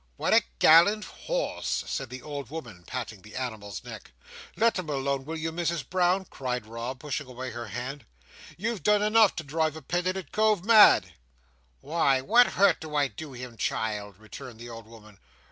"What a gallant horse!" said the old woman, patting the animal's neck. "Let him alone, will you, Misses Brown?" cried Rob, pushing away her hand. "You're enough to drive a penitent cove mad!" "Why, what hurt do I do him, child?" returned the old woman.